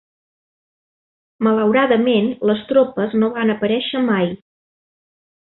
Malauradament les tropes no van aparèixer mai.